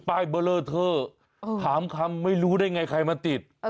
ป้ายเบลอเทอร์ถามคำไม่รู้ได้ไงใครมาติด